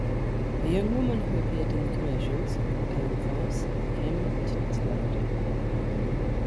A young woman who appeared in the commercials, Ellen Feiss, became an internet celebrity.